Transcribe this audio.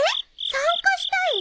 参加したい？